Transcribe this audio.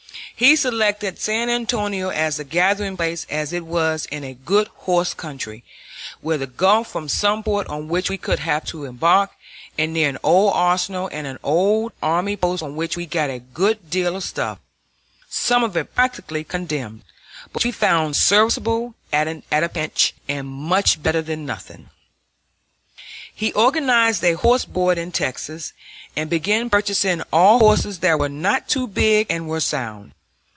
He selected San Antonio as the gathering place, as it was in a good horse country, near the Gulf from some port on which we would have to embark, and near an old arsenal and an old army post from which we got a good deal of stuff some of it practically condemned, but which we found serviceable at a pinch, and much better than nothing. He organized a horse board in Texas, and began purchasing all horses that were not too big and were sound.